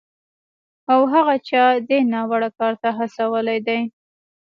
او هغه چا دې ناوړه کار ته هڅولی دی